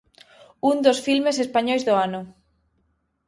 Un dos filmes españois do ano.